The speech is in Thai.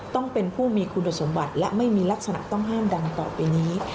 ต้องเป็นผู้มีคุณสมบัติและไม่มีลักษณะต้องห้ามดังต่อไปนี้